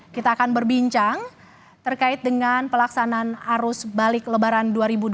kita akan berbincang terkait dengan pelaksanaan arus balik lebaran dua ribu dua puluh